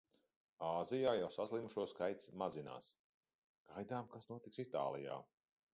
Āzijā jau slimušo skaits mazinās; gaidām, kas notiks Itālijā.